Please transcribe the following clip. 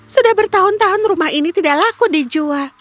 sudah bertahun tahun rumah ini tidak laku dijual